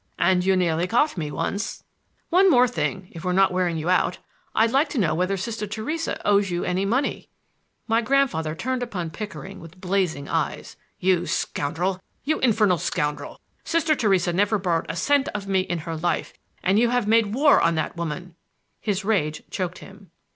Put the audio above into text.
And you nearly caught me once!" "One thing more, if we're not wearing you out—I'd like to know whether Sister Theresa owes you any money." My grandfather turned upon Pickering with blazing eyes. "You scoundrel, you infernal scoundrel, Sister Theresa never borrowed a cent of me in her life! And you have made war on that woman—" His rage choked him.